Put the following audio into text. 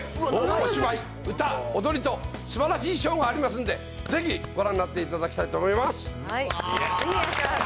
お芝居、歌、踊りとすばらしいショーがありますんで、ぜひ、ご覧になっていただきたいと思います。